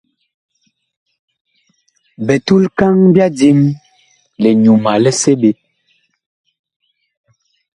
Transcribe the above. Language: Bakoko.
Bitulkaŋ ɓya dim; liŋyuma li seɓe.